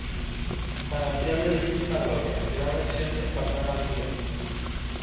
manantial de legítima gloria, gran lección de espartana altivez.